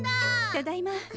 ただいま。